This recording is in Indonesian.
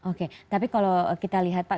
oke tapi kalau kita lihat pak